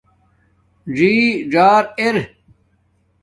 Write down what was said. ڎی ڎار ار